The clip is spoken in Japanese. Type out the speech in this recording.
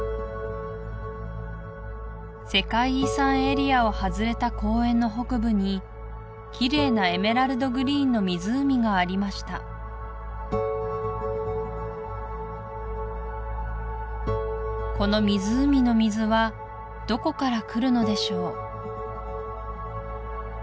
世界遺産エリアを外れた公園の北部にきれいなエメラルドグリーンの湖がありましたこの湖の水はどこからくるのでしょう？